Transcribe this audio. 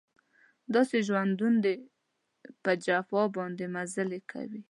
داسې ژوندون دی په جفا باندې مزلې کوي